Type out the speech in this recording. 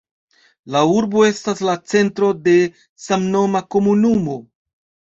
La urbo estas la centro de samnoma komunumo.